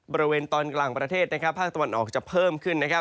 บริเวณตอนกลางประเทศภาคตะวันออกจะเพิ่มขึ้นนะครับ